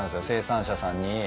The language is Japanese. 生産者さんに。